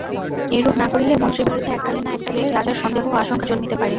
এইরূপ না করিলে মন্ত্রীর বিরুদ্ধে এককালে-না-এককালে রাজার সন্দেহ ও আশঙ্কা জন্মিতে পারে।